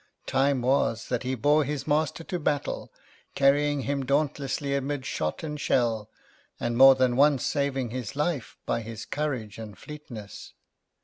"Time was that he bore his master to battle, carrying him dauntlessly amid shot and shell, and more than once saving his life by his courage and fleetness.